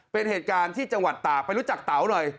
เป็นเหตุการณ์ที่จังหวัดตากไปรู้จักเต๋าหน่อย